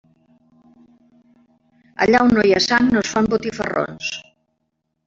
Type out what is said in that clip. Allà on no hi ha sang no es fan botifarrons.